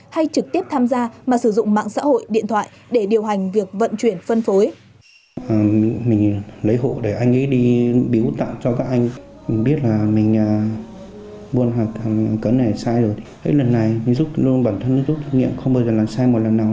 hay trực tiếp tham gia mà sử dụng mạng xã hội điện thoại để điều hành việc vận chuyển phân phối